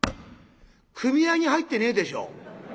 組合に入ってねえでしょ？